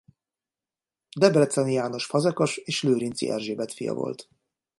Debreczeni János fazekas és Lőrinczi Erzsébet fia volt.